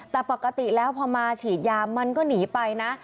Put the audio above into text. แต่ปกติแล้วพอมาฉีดยามันก็หนีไปนะ